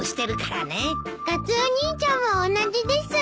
カツオ兄ちゃんも同じです。